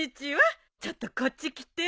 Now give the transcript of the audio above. ちょっとこっち来て。